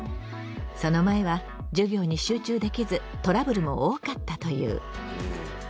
その前は授業に集中できずトラブルも多かったという。